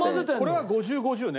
これは５０５０ね？